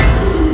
tunggu apa lagi